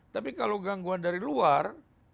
tapi kalau gangguan dari luar